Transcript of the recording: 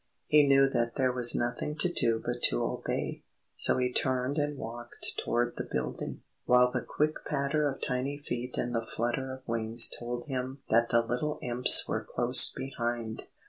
He knew that there was nothing to do but to obey, so he turned and walked toward the building, while the quick patter of tiny feet and the flutter of wings told him that the little Imps were close behind.